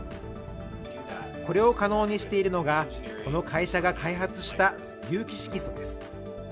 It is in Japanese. これを可能にしているのがこの会社が開発した有機色素です